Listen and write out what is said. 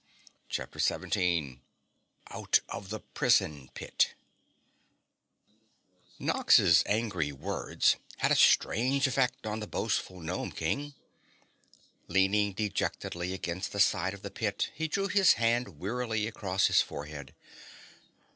CHAPTER 17 Out of the Prison Pit Nox's angry words had a strange effect on the boastful Gnome King. Leaning dejectedly against the side of the pit, he drew his hand wearily across his forehead.